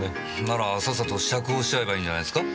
ならさっさと釈放しちゃえばいいんじゃないですか？